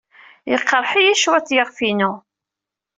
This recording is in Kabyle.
Yeqreḥ-iyi cwiṭ yiɣef-inu.